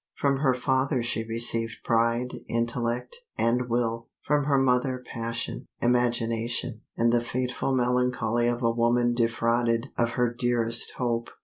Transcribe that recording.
From her father she received pride, intellect, and will; from her mother passion, imagination, and the fateful melancholy of a woman defrauded of her dearest hope.